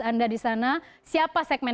anda di sana siapa segmen